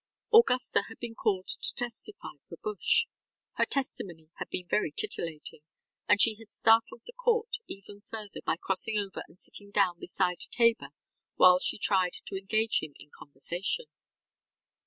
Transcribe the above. Augusta had been called to testify for Bush. Her testimony had been very titillating; and she had startled the court even further by crossing over and sitting down beside Tabor while she tried to engage him in conversation.